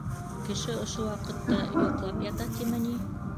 Кеше ошо ваҡытта йоҡлап ята тиме ни?